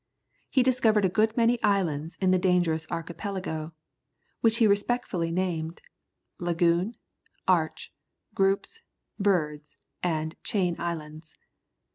He discovered a good many islands in the Dangerous Archipelago, which he respectively named, Lagoon, Arch, Groups, Birds, and Chain Islands.